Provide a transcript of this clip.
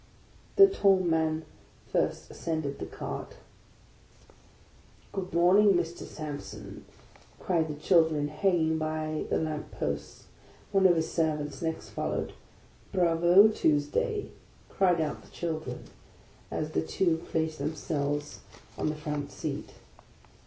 The tall man first ascended the cart. " Good morning, Mr. Sampson! " cried the children hang ing by the lamp posts. One of his servants next followed. " Bravo, Tuesday! " cried out the children, as the two placed themselves on the front seat.